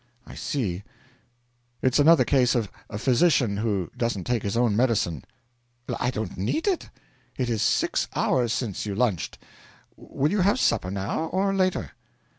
'I see. It's another case of a physician who doesn't take his own medicine.' 'I don't need it. It is six hours since you lunched. Will you have supper now or later?'